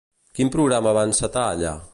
Quin programa va encetar allà?